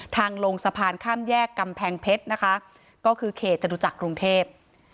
ทางลงสะพานข้ามแยกกำแพงเพชรก็คือเขตจันทุจักรรมเทพฯ